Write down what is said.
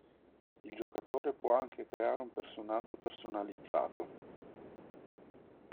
Il giocatore può anche creare un personaggio personalizzato.